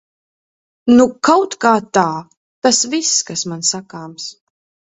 Nu kautkā tā. Tas viss, kas man sakāms.